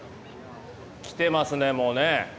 きてますねもうね。